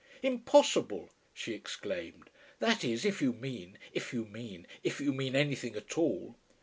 "Impossible!" she exclaimed, "that is if you mean, if you mean, if you mean anything at all."